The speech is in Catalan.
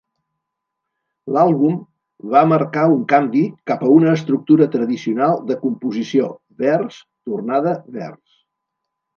L'àlbum va marcar un canvi cap a una estructura tradicional de composició vers-tornada-vers.